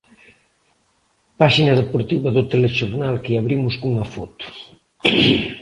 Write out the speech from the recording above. Páxina deportiva do telexornal que abrimos cunha foto.